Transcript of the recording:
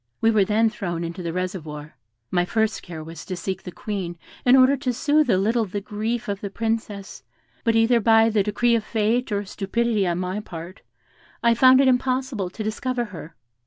We were then thrown into the reservoir. My first care was to seek the Queen, in order to soothe a little the grief of the Princess, but either by the decree of fate or stupidity on my part, I found it impossible to discover her.